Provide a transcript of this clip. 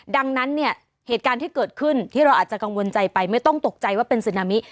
ดังนั้นเนี่ยเหตุการณ์ที่เกิดขึ้นที่เราอาจจะกังวลใจไปไม่ต้องตกใจว่าเป็นซึนามิ